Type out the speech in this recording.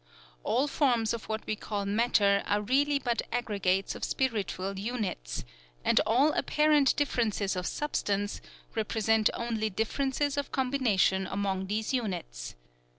All forms of what we call matter are really but aggregates of spiritual units; and all apparent differences of substance represent only differences of combination among these units.